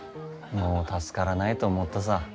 もう助からないと思ったさ。